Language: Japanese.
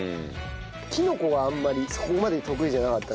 キノコがあんまりそこまで得意じゃなかったから。